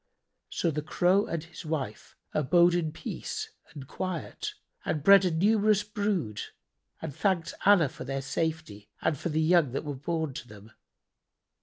[FN#78] So the Crow and his wife abode in peace and quiet and bred a numerous brood and thanked Allah for their safety and for the young that were born to them.